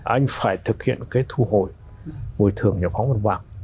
anh phải thực hiện cái thu hồi hồi thường nhập phóng văn bản